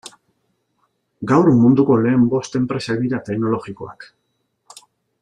Gaur munduko lehen bost enpresak dira teknologikoak.